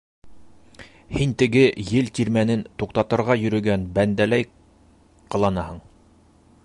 Һин теге ел тирмәнен туҡтатырға йөрөгән бәндәләй ҡыланаһың!